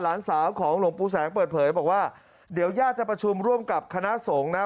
หลานสาวของหลวงปู่แสงเปิดเผยบอกว่าเดี๋ยวญาติจะประชุมร่วมกับคณะสงฆ์นะ